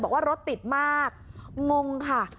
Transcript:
บอกว่ารถติดมากงงค่ะ